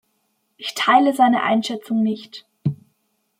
Ich teile seine Einschätzung nicht.